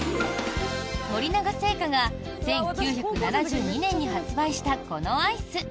森永製菓が１９７２年に発売したこのアイス。